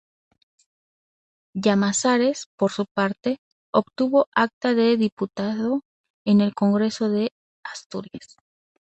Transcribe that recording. Llamazares, por su parte, obtuvo acta de diputado en el Congreso por Asturias.